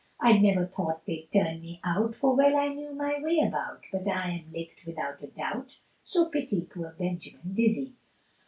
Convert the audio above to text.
I never thought they'd turn me out, For well I knew my way about, But I am licked without a doubt, So pity poor Benjamin Dizzy.